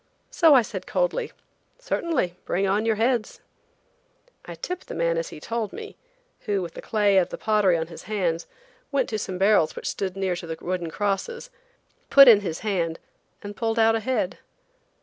So I said coldly: "Certainly; bring on your heads!" I tipped a man, as he told me, who, with the clay of the pottery on his hands, went to some barrels which stood near to the wooden crosses, put in his hand and pulled out a head!